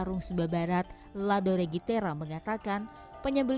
tiga puluh juta berarti dua kali panen langsung habis